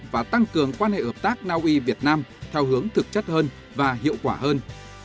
và tăng cường quan hệ ợp tác na uy việt nam theo hướng thực chất hơn và hiệu quả hơn